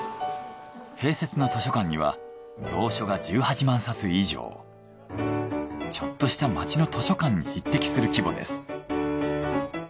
併設の図書館にはちょっとした町の図書館に匹敵する規模です。